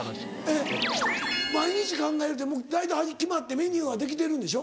えっ毎日考えるってもう大体味決まってメニューはできてるんでしょ？